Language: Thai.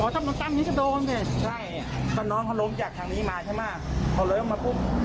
ตอนน้องเขาล้มจากทางนี้มาใช่มั้ยเขาเลยออกมาปุ๊บ